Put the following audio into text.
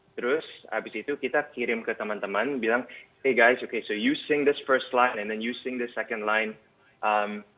terus abis itu kita kirim ke teman teman bilang hey guys oke jadi kalian sing ini lintas pertama lalu kalian sing lintas kedua